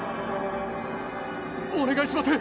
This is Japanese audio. お願いします！